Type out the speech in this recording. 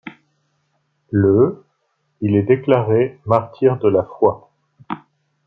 Le il est déclaré martyr de la foi.